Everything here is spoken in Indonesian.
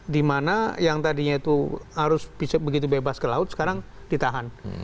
dimana yang tadinya itu harus begitu bebas ke laut sekarang ditahan